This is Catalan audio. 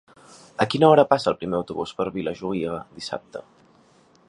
A quina hora passa el primer autobús per Vilajuïga dissabte?